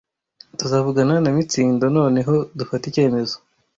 Tuzavugana na Mitsindo noneho dufate icyemezo.